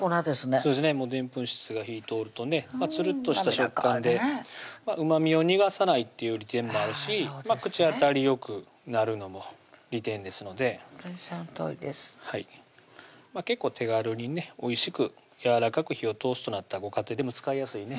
でんぷん質が火ぃ通るとねつるっとした食感でうまみを逃がさないっていう利点もあるし口当たりよくなるのも利点ですのでほんとにそのとおりです結構手軽にねおいしくやわらかく火を通すとなったらご家庭でも使いやすいね